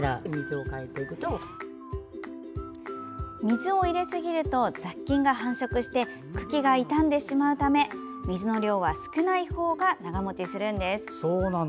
水を入れすぎると雑菌が繁殖して茎が傷んでしまうため水の量は少ないほうが長持ちするんです。